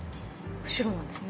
白なんですね。